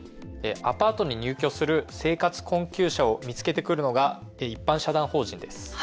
アパートに入居する生活困窮者を見つけてくるのが一般社団法人です。